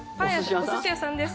お寿司屋さんです